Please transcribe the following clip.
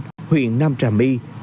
xã trà len huyện nam trà my